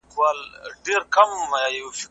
انلاين پروګرامونه پرمختګ فرصت برابروي.